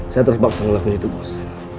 saya terpaksa ngelakunya itu bos